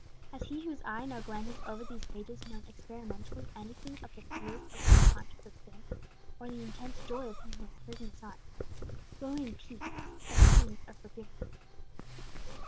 Has he whose eye now glances over these pages known experimentally anything of the fears of one conscious of sin, or the intense joy of him who has heard in his heart, "Go in peace, thy sins are forgiven thee."